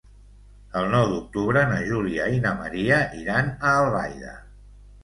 El nou d'octubre na Júlia i na Maria iran a Albaida.